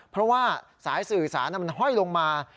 เพราะว่าสายสื่อสารมันห้อยลงมา